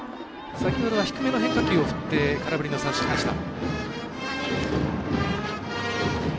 先ほどは低めの変化球を振って空振りの三振でした。